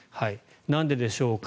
なんででしょうか。